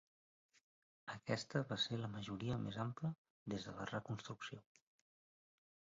Aquesta va ser la majoria més ampla des de la Reconstrucció.